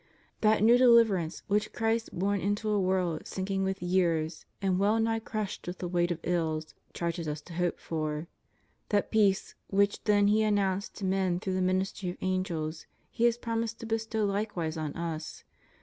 That new deliverance which Christ, born into a world sinking with years and well nigh crushed with the weight of ills, charges us to hope for; that peace which then He announced to men through the ministry of angels. He has promised to bestow likewise on us.